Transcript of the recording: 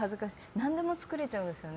何でも作れちゃうんですよね。